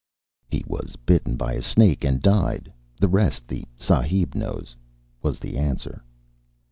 "He was bitten by a snake and died; the rest the sahib knows," was the answer.